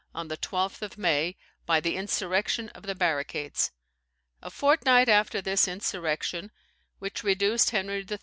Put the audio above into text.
on the 12th of May, by the insurrection of the barricades. A fortnight after this insurrection, which reduced Henry III.